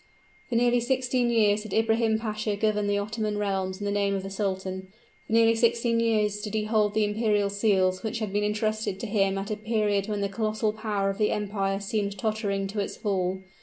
For nearly sixteen years did Ibrahim Pasha govern the Ottoman realms in the name of the sultan: for nearly sixteen years did he hold the imperial seals which had been intrusted to him at a period when the colossal power of the empire seemed tottering to its fall.